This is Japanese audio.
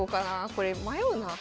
これ迷うな。